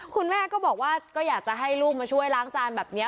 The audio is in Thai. คุณแม่ก็บอกว่าก็อยากจะให้ลูกมาช่วยล้างจานแบบนี้